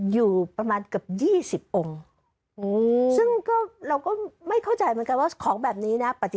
ยกพระพิการเนธ